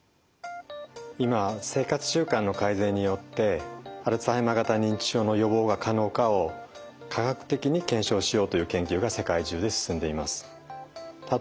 今生活習慣の改善によってアルツハイマー型認知症の予防が可能かを科学的に検証しようという研究が世界中で進んでいます。